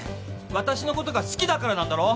私の事が好きだからなんだろ？